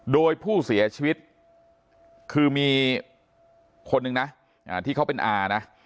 โดยผู้เสียชีวิตคือมีคนนึงนะที่เขาเป็นอานะ